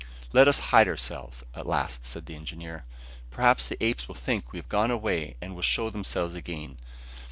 "Let us hide ourselves," at last said the engineer. "Perhaps the apes will think we have gone quite away and will show themselves again.